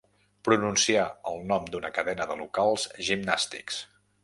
Pronunciar el nom d'una cadena de locals gimnàstics.